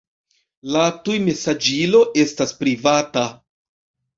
La tujmesaĝilo estas privata.